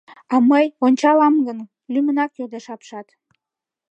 — А мый ончалам гын? — лӱмынак йодеш апшат.